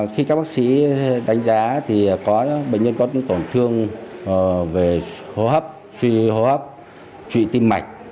khi các bác sĩ đánh giá thì có bệnh nhân có những tổn thương về hô hấp suy hô hấp trụy tim mạch